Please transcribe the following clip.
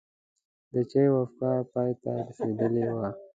د چای وقفه پای ته رسیدلې وه.